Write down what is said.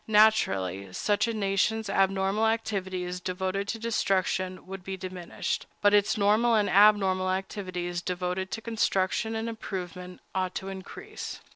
Naturally, such a nation's abnormal activities devoted to destruction would be diminished; but its normal and abnormal activities devoted to construction and improvement ought to increase.